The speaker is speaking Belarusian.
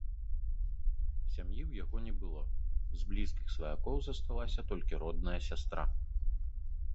Сям'і ў яго не было, з блізкіх сваякоў засталася толькі родная сястра.